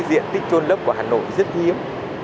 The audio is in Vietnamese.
diện tích trôn lấp của hà nội rất hiếm